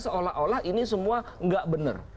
seolah olah ini semua nggak benar